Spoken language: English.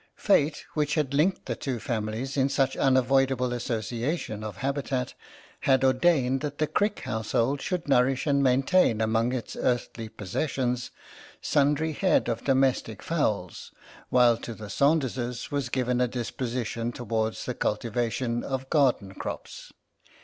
Fate, which had linked the two families in such unavoidable association of habitat, had ordained that the Crick household should nourish and maintain among its earthly possessions sundry head of domestic fowls, while to the Saunderses was given a disposi tion towards the cultivation of garden crops.